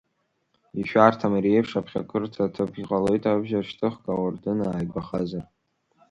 Ишәарҭам ари еиԥш аԥхьакырҭа аҭыԥ, иҟалоит абџьар шьҭыхга ауардын ааигәахазар!